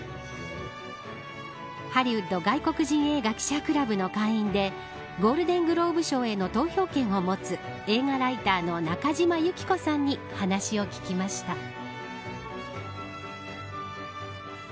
ハリウッド外国人映画記者クラブの会員でゴールデン・グローブ賞への投票権を持つ映画ライターの中島由紀子さんに話を聞きました。